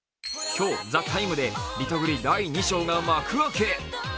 今日、「ＴＨＥＴＩＭＥ，」でリトグリ第２章が幕開け。